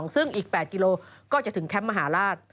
ซึ่งอีก๘กิโลก็จะถึงแคมป์มหาราช